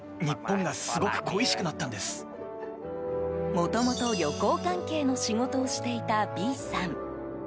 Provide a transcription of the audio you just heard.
もともと、旅行関係の仕事をしていたビーさん。